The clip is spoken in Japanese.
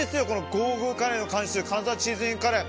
ゴーゴーカレー監修金沢チーズＩＮカレー。